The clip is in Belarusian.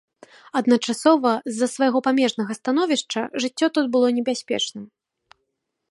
Адначасова, з-за свайго памежнага становішча жыццё тут было небяспечным.